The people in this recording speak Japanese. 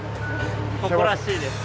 誇らしいです。